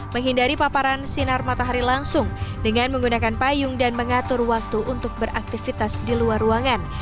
menghindari paparan sinar matahari langsung dengan menggunakan payung dan mengatur waktu untuk beraktivitas di luar ruangan